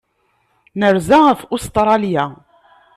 Nerza ɣef Ustṛalya.